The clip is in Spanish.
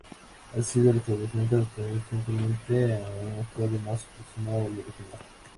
Ha sido restablecido recientemente a un estado más aproximado al original.